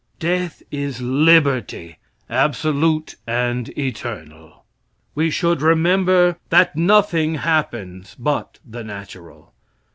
Death is liberty, absolute and eternal. We should remember that nothing happens but the natural.